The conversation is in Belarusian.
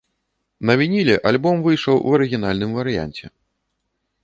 На вініле альбом выйшаў у арыгінальным варыянце.